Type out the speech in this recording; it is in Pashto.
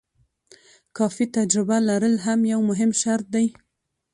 کافي تجربه لرل هم یو مهم شرط دی.